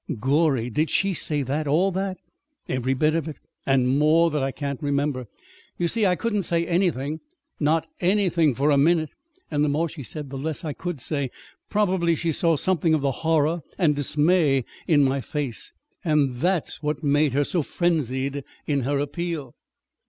'" "Gorry! Did she say that all that?" "Every bit of it and more, that I can't remember. You see, I couldn't say anything not anything, for a minute. And the more she said, the less I could say. Probably she saw something of the horror and dismay in my face, and that's what made her so frenzied in her appeal."